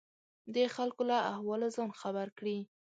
د خلکو له احواله ځان خبر کړي.